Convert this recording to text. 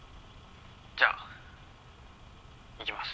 じゃあいきます。